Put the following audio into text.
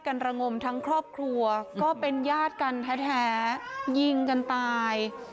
ระงมทั้งครอบครัวก็เป็นญาติกันแท้ยิงกันตาย